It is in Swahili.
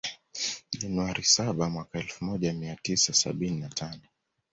Januari saba Mwaka elfu moja mia tisa sabini na tano